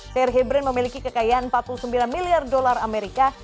their hybrin memiliki kekayaan empat puluh sembilan miliar dolar amerika